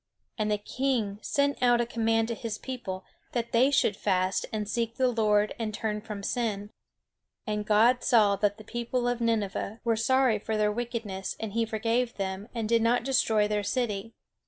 And the king sent out a command to his people that they should fast, and seek the Lord, and turn from sin. [Illustration: To shade Jonah from the sun] And God saw that the people of Nineveh were sorry for their wickedness, and he forgave them, and did not destroy their city.